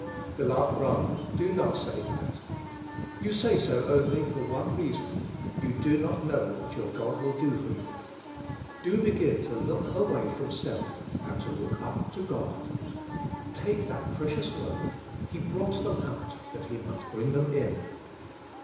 Beloved brother, do not say that. You say so only for one reason: You do not know what your God will do for 3 ou. Do be gin to look away from self, and to look up to God. Take that precious word: "He brought them out that he might bring them in."